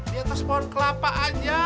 di atas pohon kelapa aja